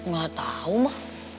gak tau mah